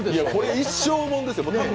一生もんですよ。